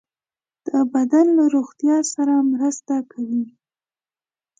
د بدن له روغتیا سره مرسته کوي.